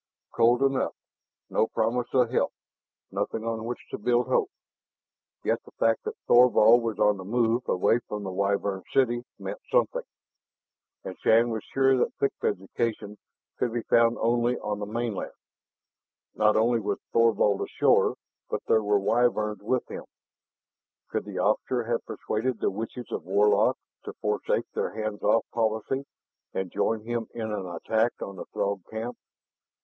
Cold enough, no promise of help, nothing on which to build hope. Yet the fact that Thorvald was on the move, away from the Wyvern city, meant something. And Shann was sure that thick vegetation could be found only on the mainland. Not only was Thorvald ashore, but there were Wyverns with him. Could the officer have persuaded the witches of Warlock to foresake their hands off policy and join him in an attack on the Throg camp?